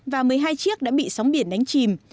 và một mươi hai chiếc đã bị sóng biển đánh chìm